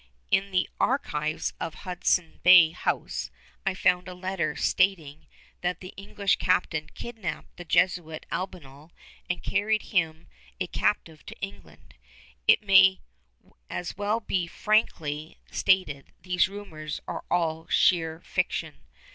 In the Archives of Hudson's Bay House I found a letter stating that the English captain kidnapped the Jesuit Albanel and carried him a captive to England. It may as well be frankly stated these rumors are all sheer fiction.